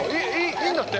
いいんだって。